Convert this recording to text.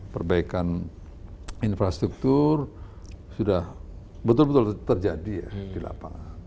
perbaikan infrastruktur sudah betul betul terjadi ya di lapangan